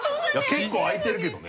結構開いてるけどね。